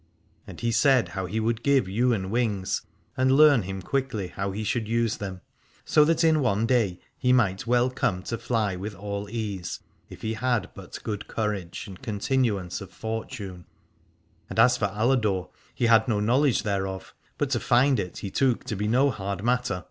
And he said how he would give Ywain wings, and learn him quickly how he should use them, so that in one day he might well come to fly with all ease, if he had but good courage and continuance of fortune. And as for Aladore, he had no knowledge thereof, but to find it he took to be no hard matter.